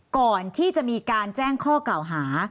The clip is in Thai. ก่อนที่จะมีการแจ้งข้อกล่าวหา